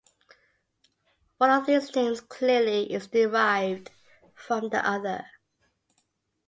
One of these names clearly is derived from the other.